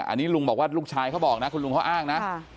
อันนี้ลุงบอกว่าลูกชายเขาบอกนะคุณลุงเขาอ้างนะ